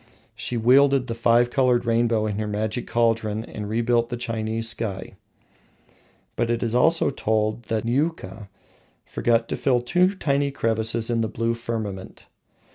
She welded the five coloured rainbow in her magic cauldron and rebuilt the Chinese sky. But it is told that Niuka forgot to fill two tiny crevices in the blue firmament.